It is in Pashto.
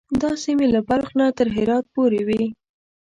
دا سیمې له بلخ نه تر هرات پورې وې.